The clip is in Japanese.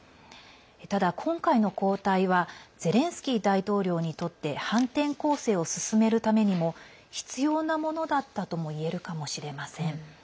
ただ、今回の交代はゼレンスキー大統領にとって反転攻勢を進めるためにも必要なものだったとも言えるかもしれません。